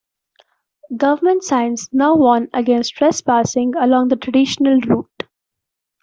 Government signs now warn against trespassing along the traditional route.